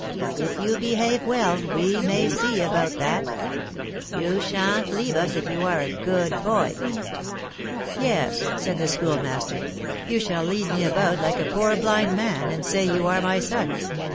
"If you behave well, we may see about that. You sha'n't leave us if you are a good boy." "Yes," said the Schoolmaster, "you shall lead me about like a poor blind man, and say you are my son.